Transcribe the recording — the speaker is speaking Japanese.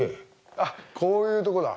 あっこういうとこだ。